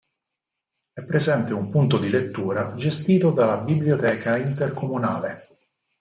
È presente un punto di lettura gestito dalla Biblioteca Intercomunale.